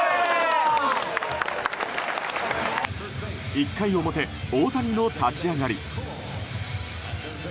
１回表、大谷の立ち上がり。